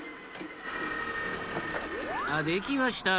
あできました。